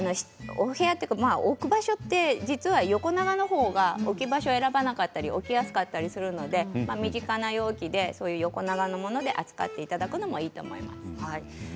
置く場所は実は横長の方が置き場所を選ばなかったり置きやすかったりするので身近な容器で横長のもので扱っていただくのがいいと思います。